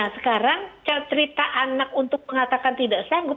sekarang cerita anak untuk mengatakan tidak sanggup